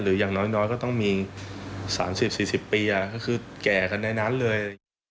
หรืออย่างน้อยน้อยก็ต้องมีสามสิบสี่สิบปีอ่ะก็คือแก่กันในนั้นเลย